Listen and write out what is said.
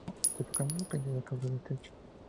Se proclamó independiente a causa de este hecho.